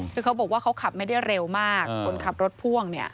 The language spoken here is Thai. คือเขาบอกว่าเขาขับไม่ได้เร็วมากคนขับรถพ่วงเนี่ย